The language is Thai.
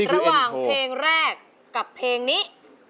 ระหว่างเพลงแรกกับเพลงนี้